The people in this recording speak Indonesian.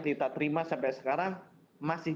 kita terima sampai sekarang masih